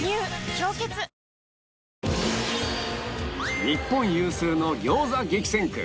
「氷結」日本有数の餃子激戦区